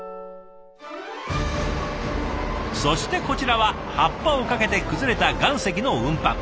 そしてこちらは発破をかけて崩れた岩石の運搬。